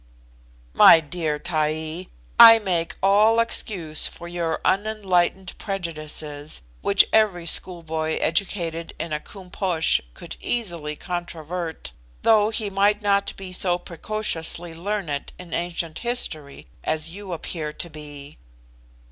'" "My dear Taee, I make all excuse for your unenlightened prejudices, which every schoolboy educated in a Koom Posh could easily controvert, though he might not be so precociously learned in ancient history as you appear to be."